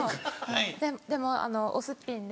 でもおすっぴんで。